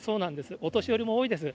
お年寄りも多いです。